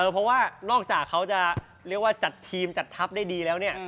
เพราะว่านอกจากเขาจะเรียกว่าจัดทีมจัดทัพได้ดีแล้วเนี่ย